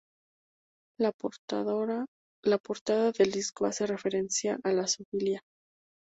La portada del disco hace referencia a la zoofilia.